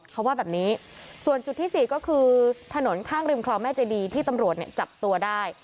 เขาว่าแบบนี้ส่วนจุดที่สี่ก็คือถนนข้างริมคลองแม่เจดีที่ตำรวจเนี่ยจับตัวได้